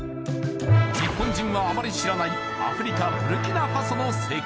日本人はあまり知らないアフリカ・ブルキナファソの生活